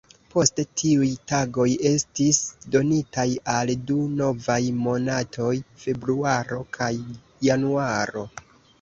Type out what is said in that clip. Poste tiuj tagoj estis donitaj al du novaj monatoj, februaro kaj januaro.